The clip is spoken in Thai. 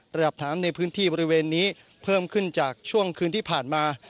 ระดับน้ำในพื้นที่บริเวณนี้เพิ่มขึ้นจากช่วงคืนที่ผ่านมา